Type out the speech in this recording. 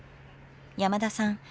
山田さん